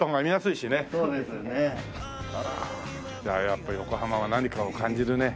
やっぱり横浜は何かを感じるね。